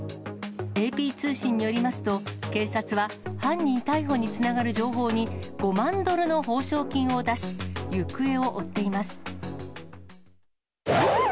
ＡＰ通信によりますと、警察は、犯人逮捕につながる情報に、５万ドルの報奨金を出し、行方を追っています。